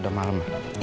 udah malem ya